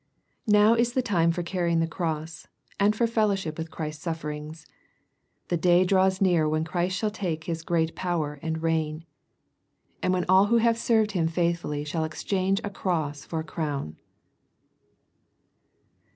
Now is the time for carrying the cross,, and for fellowship with Christ's sufferings. The day draws near when Christ shall take His great power and reign ; and when all who have served Him faithfully shall exchange a cross for a crown.